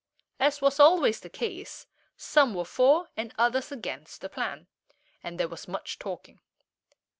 As was always the case, some were for, and others against, the plan, and there was much talking.